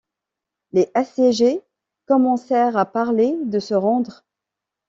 Les assiégés commencèrent à parler de se rendre.